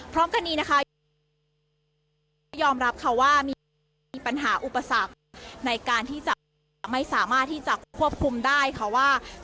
พร้อมกันนี้นะคะยอมรับค่ะว่ามีปัญหาอุปสรรคในการที่จะไม่สามารถที่จะควบคุมได้ค่ะว่า